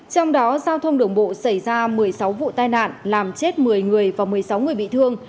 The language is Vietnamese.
trong đó giao thông đường bộ xảy ra một mươi sáu vụ tai nạn làm chết một mươi người và một mươi sáu người bị thương